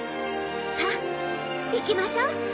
さあ行きましょ。